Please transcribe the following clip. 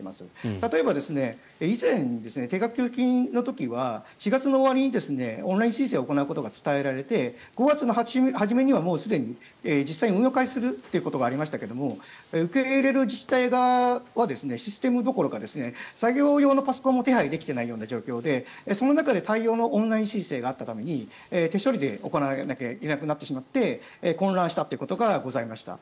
例えば、以前に定額給付金の時には４月の終わりにオンライン申請を行うことが伝えられて５月の初めにはすでに実際に運用開始するということがありましたが受け入れる自治体側はシステムどころか作業用のパソコンも手配できないような状態でその中で大量のオンライン申請があったために手処理で行わなきゃいけなくなってしまって混乱したということがございました。